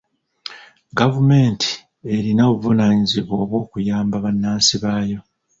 Gavumenti erina obuvunaanyizibwa obw'okuyamba bannansi baayo.